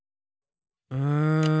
うん。